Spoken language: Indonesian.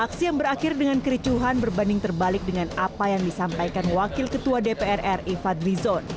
aksi yang berakhir dengan kericuhan berbanding terbalik dengan apa yang disampaikan wakil ketua dpr ri fadlizon